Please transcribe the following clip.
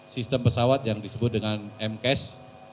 sistem pesawat yang disebut dengan m cash